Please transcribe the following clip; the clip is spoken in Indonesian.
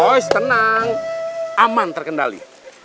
ois tenang aman terkendali